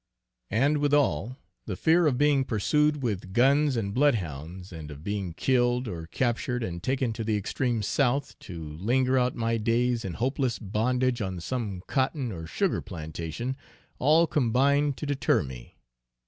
And withal, the fear of being pursued with guns and blood hounds, and of being killed, or captured and taken to the extreme South, to linger out my days in hopeless bondage on some cotton or sugar plantation, all combined to deter me.